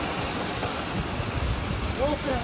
どうするん？